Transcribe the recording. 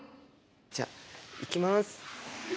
じゃいきます。